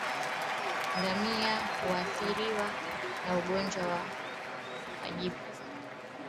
Ngamia huathiriwa na ugonjwa wa majipu